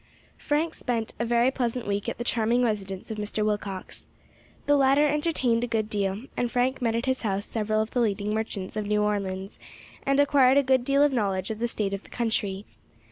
Frank spent a very pleasant week at the charming residence of Mr. Willcox. The latter entertained a good deal, and Frank met at his house several of the leading merchants of New Orleans, and acquired a good deal of knowledge of the state of the country.